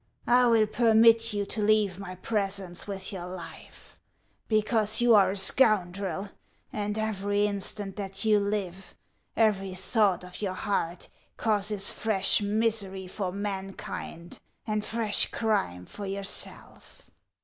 I will permit you to leave my presence with your life, because you are a scoundrel, and every instant that you live, every thought of your heart, causes fresli misery for mankind and fresh crime for yourself.